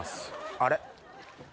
あれ？